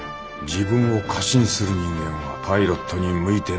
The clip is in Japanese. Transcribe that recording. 自分を過信する人間はパイロットに向いてない。